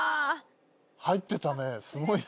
入ってたねすごいね。